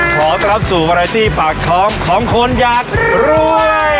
ขอต่อรับสู่วาลัยตี้ผักคร้องของคนอยากรวย